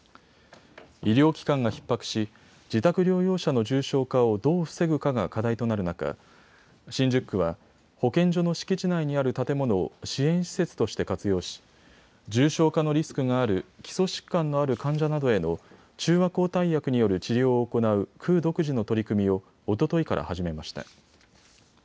医療機関がひっ迫し、自宅療養者の重症化をどう防ぐかが課題となる中、新宿区は保健所の敷地内にある建物を支援施設として活用し重症化のリスクがある基礎疾患のある患者などへの中和抗体薬による治療を行う区独自の取り組みをおとといから始めました。